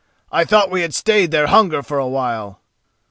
"I thought we had stayed their hunger for a while."